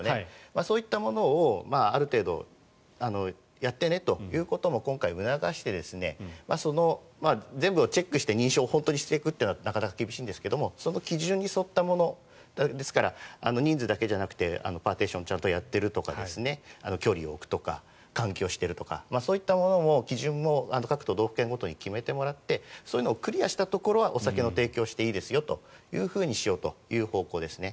そういったものをある程度やってねということも今回、促して全部をチェックして認証を本当にしていくというのはなかなか厳しいんですがその基準に沿ったものですから、人数だけじゃなくてパーティションをちゃんとやってるとか距離を置くとか換気をしているとかそういった基準も各都道府県ごとに決めてもらってそういうのをクリアしたところはお酒の提供していいですよというふうにしようという方向ですね。